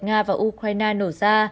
nga và ukraine nổ ra